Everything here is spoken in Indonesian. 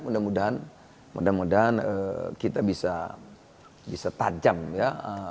mudah mudahan kita bisa tajam ya